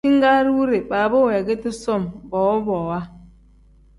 Jingaari wire baaba weegedi som bowa bowa.